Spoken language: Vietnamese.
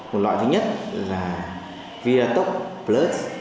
một loại thứ nhất là vidatox plus